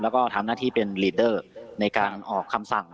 แล้วก็ทำหน้าที่เป็นลีดเดอร์ในการออกคำสั่ง